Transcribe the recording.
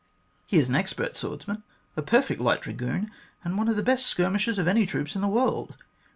He is an expert swordsman, a perfect light dragoon, and one of the best skirmishers of any troops in the world.